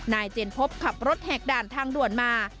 เจนพบขับรถแหกด่านทางด่วนมา